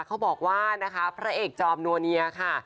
เขาบอกว่านะคะพระเอกจอมนัวเนียค่ะ